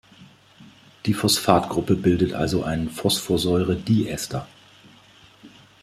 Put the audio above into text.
Die Phosphatgruppe bildet also einen Phosphorsäure"di"ester.